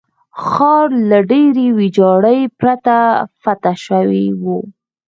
ښار له ډېرې ویجاړۍ پرته فتح شوی وو.